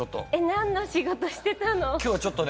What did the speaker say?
何の仕事してたの？